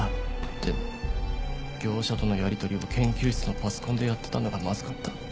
でも業者とのやり取りを研究室のパソコンでやってたのがまずかった。